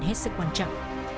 hết sức quan trọng